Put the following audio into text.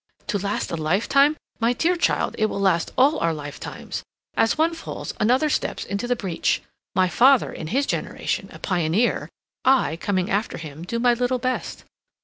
"To last a lifetime? My dear child, it will last all our lifetimes. As one falls another steps into the breach. My father, in his generation, a pioneer—I, coming after him, do my little best.